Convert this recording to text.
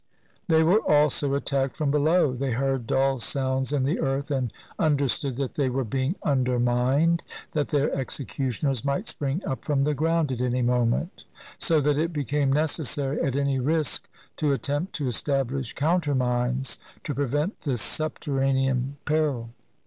They were also attacked from below ; they heard dull sounds in the earth, and imderstood that they were being undermined, that their executioners might spring up from the ground at any moment; so that it became nec essary, at any risk, to attempt to establish countermines to prevent this subterranean peril.